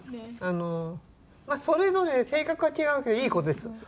それぞれ性格は違うけどいい子です。